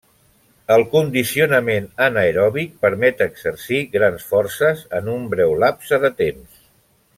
El condicionament anaeròbic permet exercir grans forces en un breu lapse de temps.